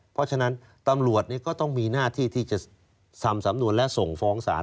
เพราะฉะนั้นตำรวจก็ต้องมีหน้าที่ที่จะทำสำนวนและส่งฟ้องศาล